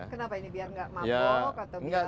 kenapa ini biar tidak mabok atau